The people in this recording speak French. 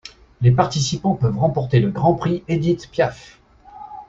Les participants peuvent remporter le Grand Prix Édith Piaf.